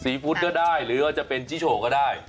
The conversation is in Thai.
ซีฟูดก็ได้หรือจะเป็นจิโชก็ได้